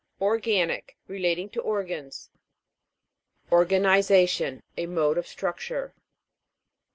ORGA'NIC. Relating to organs. ORGANIZATION. A mode of struc ture.